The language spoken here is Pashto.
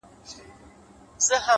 له دېيم کور چي شپېلۍ ورپسې پوُ کړه!!